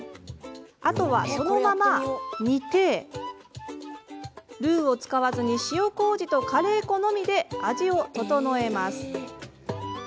あとは、そのまま煮てルーを使わずに、塩こうじとカレー粉のみで味を調えます。